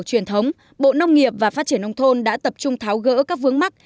truyền thống bộ nông nghiệp và phát triển nông thôn đã tập trung tháo gỡ các vướng mắt